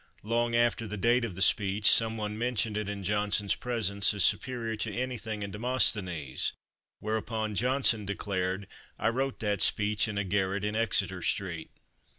Long after the date of the speech, some one mentioned it in Johnson's presence as superior to anything in Demosthenes, whereupon Johnson declared, "I wrote that speech in a garret in Exeter Street."